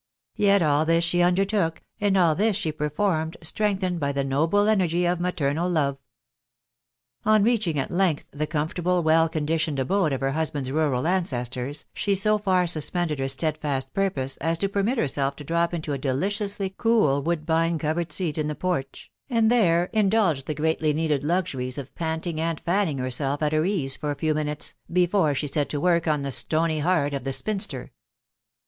Yet all this she undertook, and all tills she performed, strengthened by the noble energy of maternal love. On reaching at length the comfortable, well conditioned abode of her husband's rural ancestors, she so far suspended her steadfast purpose as to permit herself to drop into a deli cbualy cool woodbine covered seat in the porch, and there indulged the greatly needed luxuries of panting and fanning herself at her ease for a few minutes, before she set to work on the stony heart of the spinster.